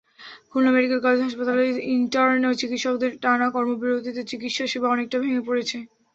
Khulna medical college হাসপাতালে intern চিকিৎসকদের টানা কর্মবিরতিতে চিকিৎসাসেবা অনেকটা ভেঙে পড়েছে।